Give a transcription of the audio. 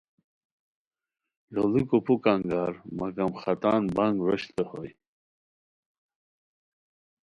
لوڑیکو پُھک انگار مگم ختان بنگ روشت ہوئے